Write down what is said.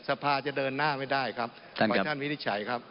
สภาจะเดินหน้าไม่ได้ครับขอให้ท่านวินิจฉัยครับ